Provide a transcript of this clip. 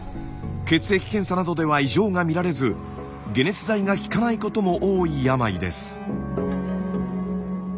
血液検査などでは異常が見られず解熱剤が効かないことも多い病です。